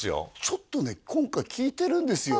ちょっとね今回聞いてるんですよね？